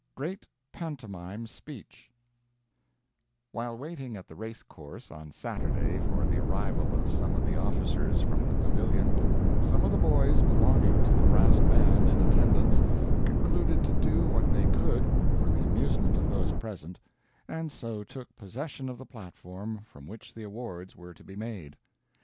GREAT PANTOMIME SPEECH While waiting at the race course on Saturday for the arrival of some of the officers from the Pavilion, some of the boys belonging to the brass band in attendance concluded to do what they could for the amusement of those present, and so took possession of the platform from which the awards were to be made.